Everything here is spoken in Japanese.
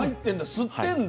吸ってんだ。